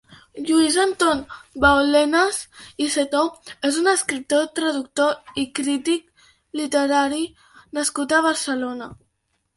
Lluís-Anton Baulenas i Setó és un escriptor, traductor i crític literari nascut a Barcelona.